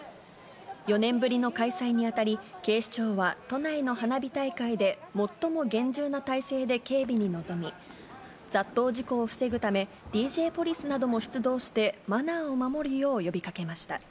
４年ぶりの開催にあたり、警視庁は都内の花火大会で最も厳重な態勢で警備に臨み、雑踏事故を防ぐため、ＤＪポリスなども出動して、マナーを守るよう呼びかけました。